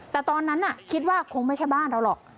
แต่ตอนนั้นคิดว่าคงไม่ใช่บ้านเราหรอก